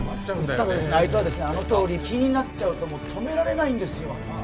ただあいつはあのとおり気になっちゃうと止められないんですよ